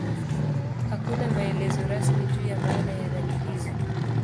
Hakuna maelezo rasmi juu ya maana ya rangi hizi.